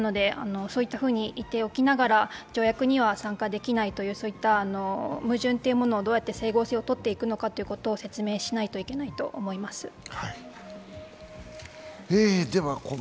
そういったふうに言っておきながら条約には参加できないといった矛盾というものをどうやって整合性をとっていくのかを説明しないといけないと思います。